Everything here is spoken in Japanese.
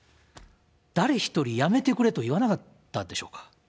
誰一人やめてくれと言わなかったんでしょうか。